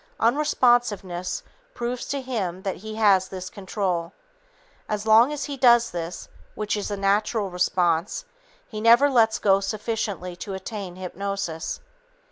Unresponsiveness proves to him that he has this control. As long as he does this, which is a natural response, he never lets go sufficiently to attain hypnosis.